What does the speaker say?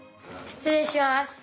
失礼します。